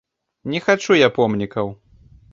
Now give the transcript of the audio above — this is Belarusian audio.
Не хачу я помнікаў.